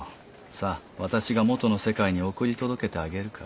さぁ私が元の世界に送り届けてあげるから。